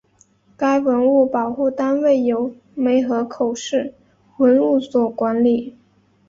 该文物保护单位由梅河口市文物所管理。